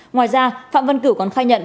ngoài ra phạm văn cửu còn khai nhận